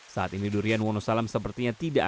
saat ini durian wonosalam sepertinya tidak ada